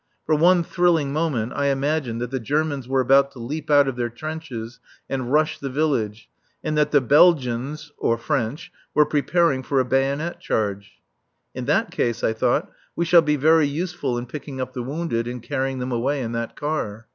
For one thrilling moment I imagined that the Germans were about to leap out of their trenches and rush the village, and that the Belgians [? French] were preparing for a bayonet charge. "In that case," I thought, "we shall be very useful in picking up the wounded and carrying them away in that car."